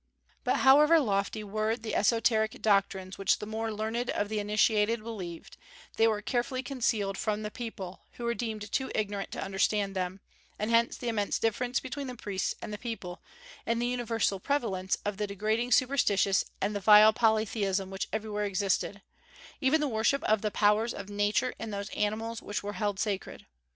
But however lofty were the esoteric doctrines which the more learned of the initiated believed, they were carefully concealed from the people, who were deemed too ignorant to understand them; and hence the immense difference between the priests and people, and the universal prevalence of degrading superstitions and the vile polytheism which everywhere existed, even the worship of the powers of Nature in those animals which were held sacred.